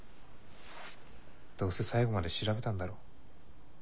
どうせ最後まで調べたんだろ？